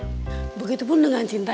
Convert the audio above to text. mas bobi kamu enggak jujur sama dia